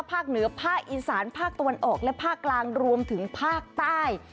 ภาคเหนือภาคอีสานภาคตะวันออกและภาคกลางรวมถึงภาคใต้